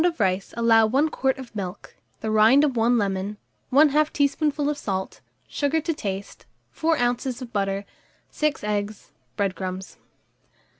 of rice allow 1 quart of milk, the rind of 1 lemon, 1/2 teaspoonful of salt, sugar to taste, 4 oz. of butter, 6 eggs, bread crumbs.